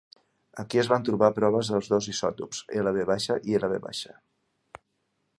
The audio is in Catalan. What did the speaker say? Aquí es van trobar proves dels dos isòtops Lv i Lv.